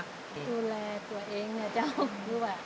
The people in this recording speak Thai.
ดูแลตัวเองเนี่ยเจ้าคือว่า